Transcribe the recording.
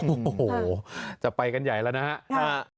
โอ้โหจะไปกันใหญ่แล้วนะครับ